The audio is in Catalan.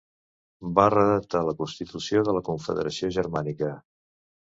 Va redactar la Constitució de la Confederació Germànica.